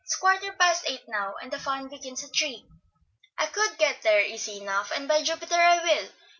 It's quarter past eight now, and the fun begins at three; I could get there easy enough, and by Jupiter, I will!